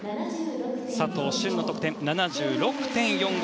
佐藤駿の得点は７６．４５。